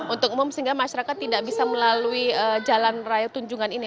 untuk umum sehingga masyarakat tidak bisa melalui jalan raya tunjungan ini